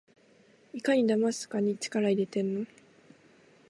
いかにだますかに力いれてんの？